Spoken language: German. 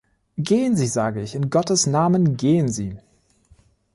Gehen Sie, sage ich, in Gottes Namen, gehen Sie!